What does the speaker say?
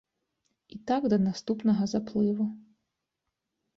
І так да наступнага заплыву.